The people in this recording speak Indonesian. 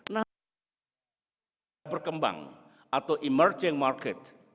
nah dalam perkembangan atau emerging market